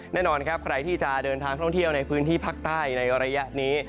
แน่นอนครับใครที่จะเดินทางท่องเที่ยวในพื้นที่ภาคใต้ในระยะนี้